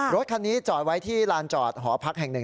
รถคันนี้จอดไว้ที่ลานจอดหอพักแห่งหนึ่ง